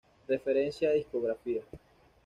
Referencia de discografía